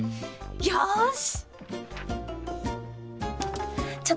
よし！